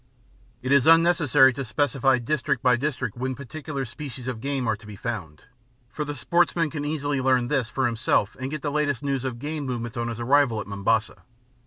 It is unnecessary to specify district by district when particular species of game are to be found, for the sportsman can easily learn this for himself and get the latest news of game movements on his arrival at Mombasa.